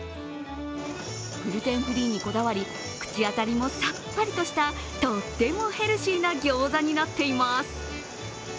グルテンフリーにこだわり、口当たりもさっぱりとしたとってもヘルシーな餃子になっています。